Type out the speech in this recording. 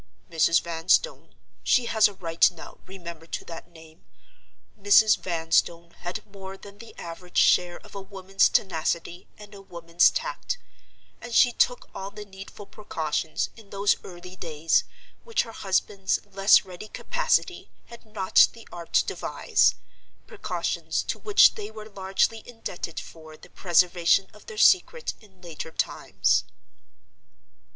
Mrs. Vanstone—she has a right now, remember, to that name—Mrs. Vanstone had more than the average share of a woman's tenacity and a woman's tact; and she took all the needful precautions, in those early days, which her husband's less ready capacity had not the art to devise—precautions to which they were largely indebted for the preservation of their secret in later times.